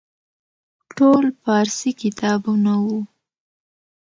ټول فارسي کتابونه وو.